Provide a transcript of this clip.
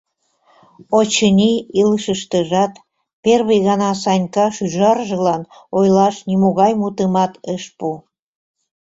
Очыни, илышыштыжат первый гана Санька шӱжаржылан ойлаш нимогай мутымат ыш му.